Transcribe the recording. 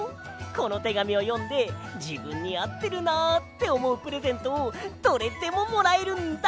このてがみをよんでじぶんにあってるなっておもうプレゼントをどれでももらえるんだ！